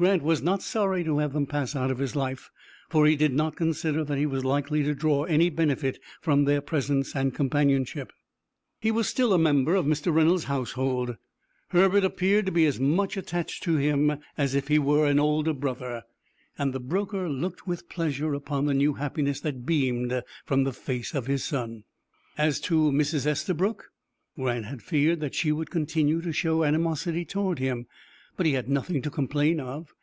Grant was not sorry to have them pass out of his life, for he did not consider that he was likely to draw any benefit from their presence and companionship. He was still a member of Mr. Reynolds' house hold. Herbert appeared to be as much attached to him as if he were an older brother, and the broker looked with pleasure upon the new happiness that beamed from the face of his son. As to Mrs. Estabrook, Grant had feared that she would continue to show animosity toward him, but he had nothing to complain of.